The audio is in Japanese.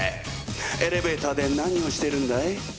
エレベーターで何をしてるんだい？